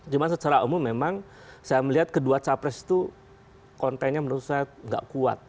cuma secara umum memang saya melihat kedua capres itu kontennya menurut saya tidak kuat